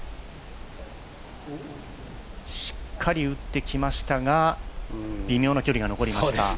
しっかり打ってきましたが、微妙な距離が残りました。